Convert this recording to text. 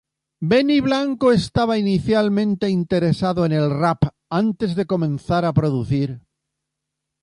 Benny Blanco estaba inicialmente interesado en el rap antes de comenzar a producir.